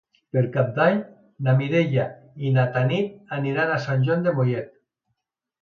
Per Cap d'Any na Mireia i na Tanit aniran a Sant Joan de Mollet.